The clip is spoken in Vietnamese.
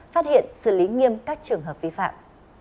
phát hiện xử lý nghiêm các trường hợp vi phạm